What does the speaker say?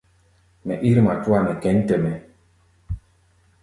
Mɛ ír matúa nɛ kěn tɛ-mɛ́.